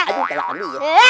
aduh telakkan dia